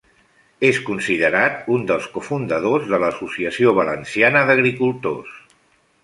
És considerat un dels cofundadors de l'Associació Valenciana d'Agricultors.